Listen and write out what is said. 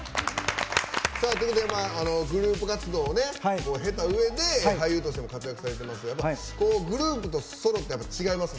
グループ活動を経たうえで俳優としても活躍されてますがグループとソロって違いますか？